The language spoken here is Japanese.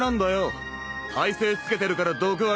耐性つけてるから毒は効かねえ。